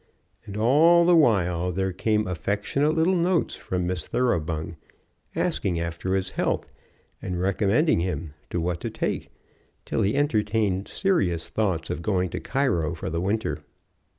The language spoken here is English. And all the while there came affectionate little notes from Miss Thoroughbung asking after his health, and recommending him what to take, till he entertained serious thoughts of going to Cairo for the winter.